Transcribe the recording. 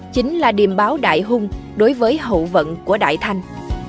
chính là điểm báo đại hung đối với hậu vận của đại thanh